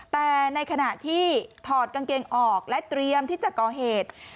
แต่ในขณะที่ถอดกางเกงออกและเตรียมที่จะก่อเหตุ